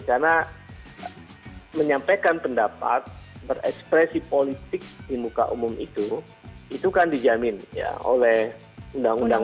karena menyampaikan pendapat berekspresi politik di muka umum itu itu kan dijamin oleh undang undang